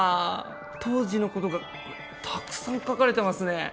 当時のことがたくさん書かれてますね。